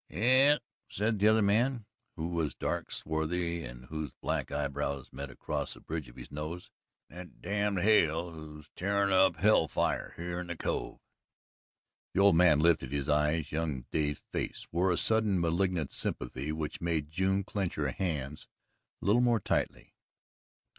"Yes," said the other man, who was dark, swarthy and whose black eyebrows met across the bridge of his nose "and that damned Hale, who's a tearin' up Hellfire here in the cove." The old man lifted his eyes. Young Dave's face wore a sudden malignant sympathy which made June clench her hands a little more tightly.